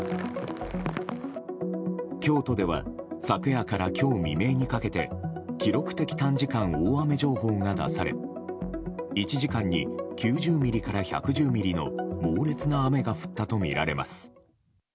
京都では昨夜から今日未明にかけて記録的短時間大雨情報が出され１時間に９０ミリから１１０ミリの猛烈な雨が降ったとみられます。